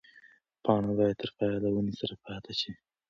پاڼه باید تر پایه له ونې سره پاتې شي.